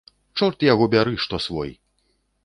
Чорт яго бяры, што свой.